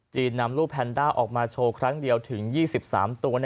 จีนนำลูกแพนดาออกมาโชว์ครั้งเดียวถึงยี่สิบสามตัว